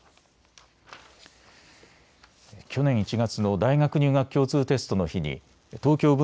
去年１月の大学入学共通テストの日に東京分